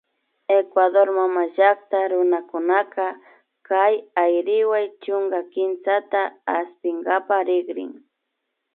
Ecuador mamallakta runakunaka kay Ayriwa chunka kimsata aspinkapak rikrin